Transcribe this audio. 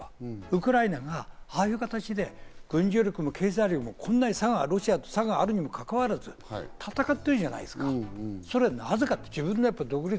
ウクライナがああいう形で軍事力も経済力もこんなにロシアと差があるにもかかわらず戦ってるじゃないですか。